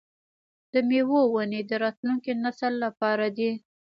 د میوو ونې د راتلونکي نسل لپاره دي.